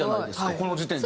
この時点で。